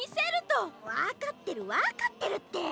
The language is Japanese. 分かってる分かってるって！